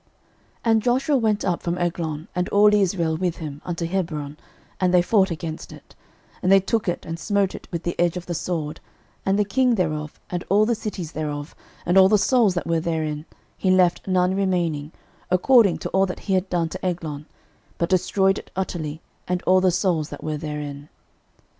06:010:036 And Joshua went up from Eglon, and all Israel with him, unto Hebron; and they fought against it: 06:010:037 And they took it, and smote it with the edge of the sword, and the king thereof, and all the cities thereof, and all the souls that were therein; he left none remaining, according to all that he had done to Eglon; but destroyed it utterly, and all the souls that were therein.